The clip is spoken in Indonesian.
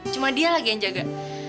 cuma dia lagi yang jaga